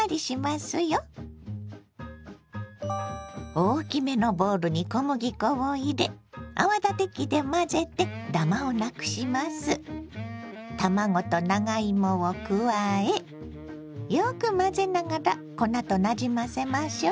大きめのボウルに小麦粉を入れ卵と長芋を加えよく混ぜながら粉となじませましょ。